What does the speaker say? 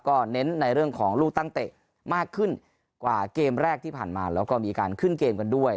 ก็เน้นในเรื่องของลูกตั้งเตะมากขึ้นกว่าเกมแรกที่ผ่านมาแล้วก็มีการขึ้นเกมกันด้วย